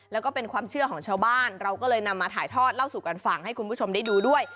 แล้วก็เป็นความเชื่อของชาวบ้านเราก็เลยนำมาถ่ายทอดเล่าสู่กันฟังให้คุณผู้ชมได้ดูด้วย